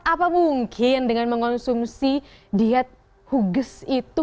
apa mungkin dengan mengonsumsi diet huges itu